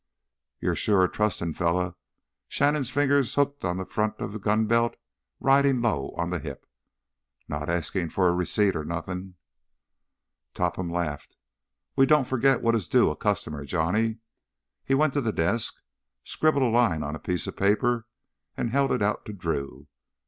"You're sure a trustin' fella." Shannon's fingers hooked to the front of the gun belt riding low on the hip. "Not askin' for no receipt or nothin'...." Topham laughed. "We don't forget what is due a customer, Johnny." He went to the desk, scribbled a line on a piece of paper, and held it out to Drew.